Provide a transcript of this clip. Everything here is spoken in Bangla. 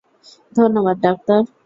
ধন্যবাদ, ডাক্তার।